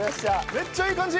めっちゃいい感じ！